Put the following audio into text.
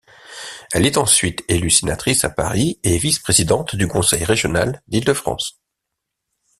Elle est ensuite élue sénatrice à Paris et vice-présidente du conseil régional d'Île-de-France.